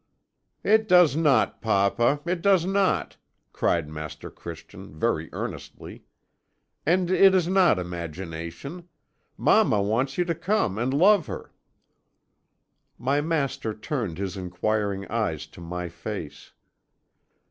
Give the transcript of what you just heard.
"'It does not, papa, it does not,' cried Master Christian very earnestly. 'And it is not imagination. Mamma wants you to come and love her.' "My master turned his enquiring eyes to my face.